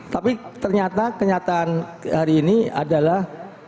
tapi ternyata kenyataan hari ini adalah